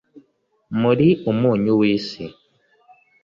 “Muri umunyu w’isi